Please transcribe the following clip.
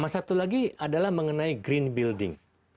satu lagi adalah mengenai green building